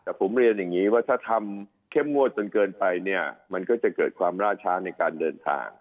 แต่ผมเรียนอย่างนี้ว่าถ้าทำเข้มงวดจนเกินไปเนี่ยมันก็จะเกิดความล่าช้าในการเดินทาง